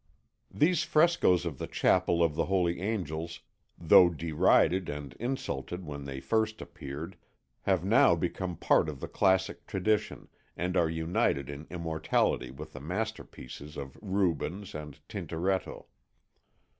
These frescoes of the Chapel of the Holy Angels, though derided and insulted when they first appeared, have now become part of the classic tradition, and are united in immortality with the masterpieces of Rubens and Tintoretto.